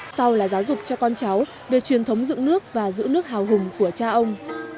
sau là giáo dục cho con cháu về truyền thống dựng nước và giữ nước hào hùng của cha ông